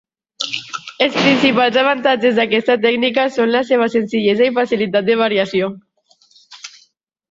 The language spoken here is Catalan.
Els principals avantatges d'aquesta tècnica són la seva senzillesa i facilitat de variació.